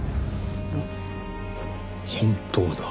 本当だ。